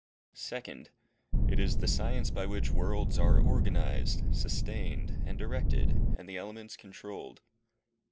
Second. It is the science by which worlds are organized, sustained, and directed, and the elements controlled.